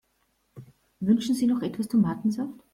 Wünschen Sie noch etwas Tomatensaft?